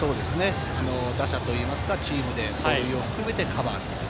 打者といいますか、チームで走塁を含めてカバーする。